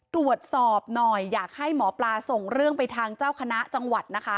ตรวจสอบหน่อยอยากให้หมอปลาส่งเรื่องไปทางเจ้าคณะจังหวัดนะคะ